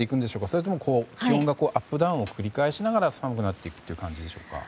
それとも気温がアップダウンを繰り返しながら寒くなっていくという感じでしょうか？